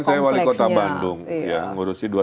dulu kan saya wali kota bandung ya ngurusi dua lima juta